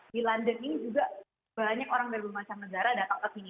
di london ini juga banyak orang dari berbagai macam negara datang ke sini